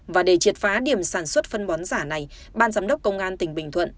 và để triệt phá điểm sản xuất phân bón giả này ban giám đốc công an tỉnh bình thuận